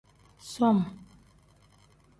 Som.